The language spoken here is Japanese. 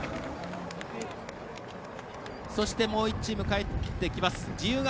そして、もう１チーム帰ってきます。